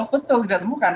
betul tidak ditemukan